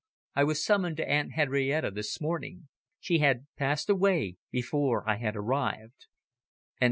"I was summoned to Aunt Henrietta this morning. She had passed away before I arrived."